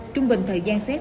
trung bình thời gian xét